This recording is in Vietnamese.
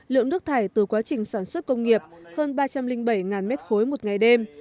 lượng nước thải từ quá trình sản xuất công nghiệp hơn ba trăm linh bảy m ba một ngày đêm